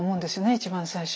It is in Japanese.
一番最初。